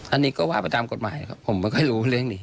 อันนี้ก็ว่าไปตามกฎหมายครับผมไม่ค่อยรู้เรื่องนี้